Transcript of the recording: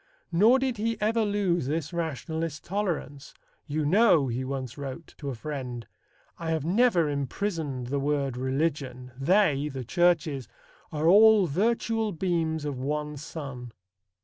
Nor did he ever lose this rationalist tolerance. "You know," he once wrote to a friend, "I have never imprisoned the word religion.... They" (the churches) "are all virtual beams of one sun."